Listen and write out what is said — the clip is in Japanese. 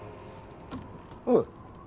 おい。